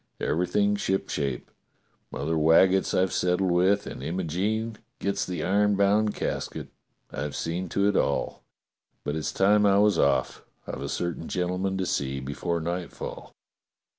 Everything shipshape. Mother Waggetts I've settled with, and Imogene gets the iron bound casket. I've seen to it all. But it's time I was off. I've a certain gentleman to see before nightfall."